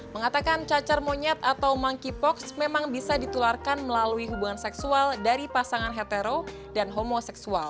mengatakan cacar monyet atau monkeypox memang bisa ditularkan melalui hubungan seksual dari pasangan hetero dan homoseksual